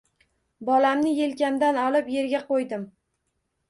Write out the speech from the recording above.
Bolamni yelkamdan olib yerga qoʻydim